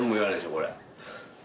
これ。